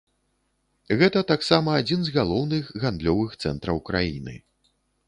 Гэта таксама адзін з галоўных гандлёвых цэнтраў краіны.